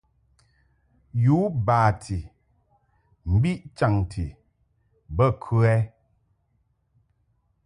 U bati mbiʼ chanti bə kə ?